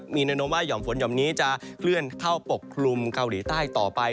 มีแนวโน้มว่าห่อมฝนห่อมนี้จะเคลื่อนเข้าปกคลุมเกาหลีใต้ต่อไป